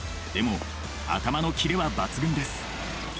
でも頭のキレは抜群です。